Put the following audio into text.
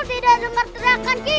tidak denger teriakan kita